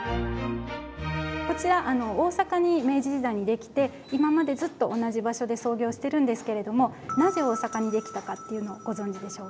こちら大阪に明治時代にできて今までずっと同じ場所で操業してるんですけれどもなぜ大阪にできたかっていうのをご存じでしょうか？